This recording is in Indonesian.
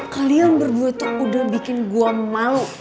kalian berdua tuh udah bikin gue malu